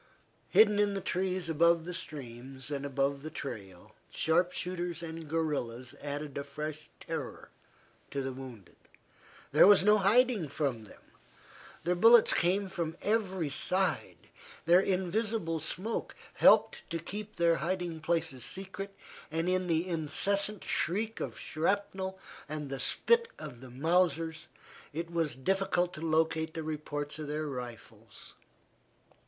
Hidden in the trees above the streams, and above the trail, sharp shooters and guerillas added a fresh terror to the wounded. There was no hiding from them. Their bullets came from every side. Their invisible smoke helped to keep their hiding places secret, and in the incessant shriek of shrapnel and the spit of the Mausers, it was difficult to locate the reports of their rifles.